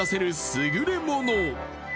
優れもの